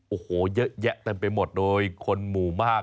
โอ้โหเยอะแยะเต็มไปหมดโดยคนหมู่มาก